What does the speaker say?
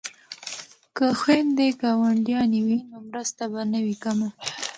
که خویندې ګاونډیانې وي نو مرسته به نه وي کمه.